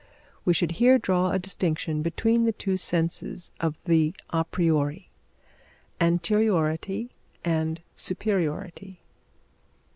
We should here draw a distinction between the two senses of the a priori: anteriority and superiority.